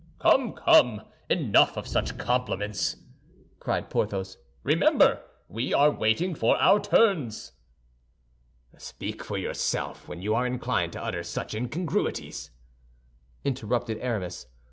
"Come, come, enough of such compliments!" cried Porthos. "Remember, we are waiting for our turns." "Speak for yourself when you are inclined to utter such incongruities," interrupted Aramis.